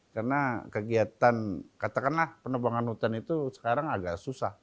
karena kegiatan katakanlah penembang hutan itu sekarang agak susah